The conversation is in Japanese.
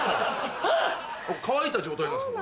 乾いた状態なんですか？